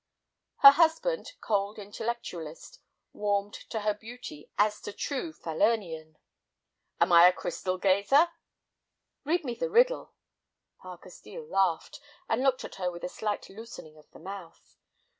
Her husband, cold intellectualist, warmed to her beauty as to true Falernian. "Am I a crystal gazer?" "Read me the riddle." Parker Steel laughed, and looked at her with a slight loosening of the mouth.